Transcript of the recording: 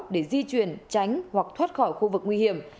để di chuyển tránh hoặc thoát khỏi khu vực nguy hiểm